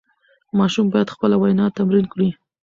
ماشوم باید خپله وینا تمرین کړي.